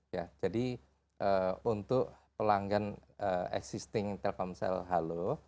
ya jadi untuk pelanggan existing telkomsel halo